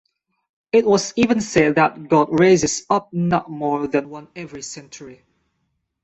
It was even said that God raises up not more than one every century.